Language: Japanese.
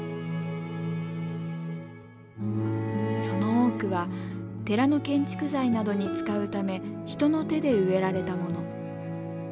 その多くは寺の建築材などに使うため人の手で植えられたもの。